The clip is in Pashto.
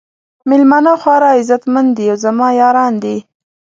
میلمانه خورا عزت مند دي او زما یاران دي.